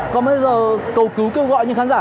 còn bây giờ cầu cứu kêu gọi những khán giả